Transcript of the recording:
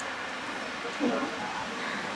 Mwili wangu nitawapa